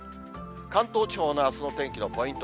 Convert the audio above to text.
関東地方のあすの天気のポイント。